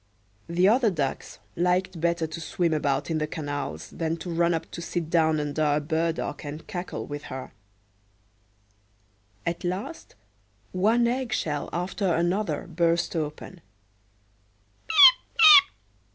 The other ducks liked better to swim about in the canals than to run up to sit down under a burdock, and cackle with her.At last one egg shell after another burst open.